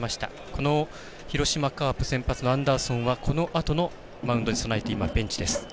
この広島カープ先発のアンダーソンはこのあとのマウンドに備えて今、ベンチです。